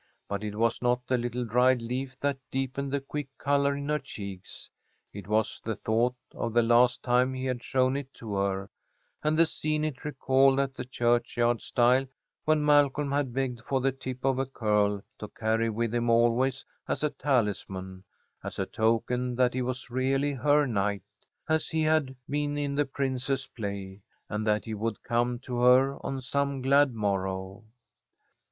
But it was not the little dried leaf that deepened the quick colour in her cheeks. It was the thought of the last time he had shown it to her, and the scene it recalled at the churchyard stile, when Malcolm had begged for the tip of a curl to carry with him always as a talisman; as a token that he was really her knight, as he had been in the princess play, and that he would come to her on some glad morrow.